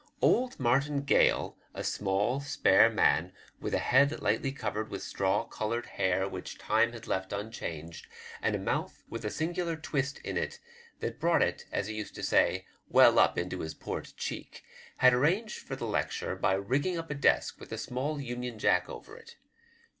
Old Martin Gale, a small, spare man, with a head lightly covered with straw coloured hair which WEEVWS LECTURE, 175 time bad left unchanged, and a month with a singular twist in it that brought it, as be used to say, well up into bis port cheek, bad arranged for the lecture by rigging up a desk with a small union jack over it.